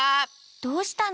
どうしたの？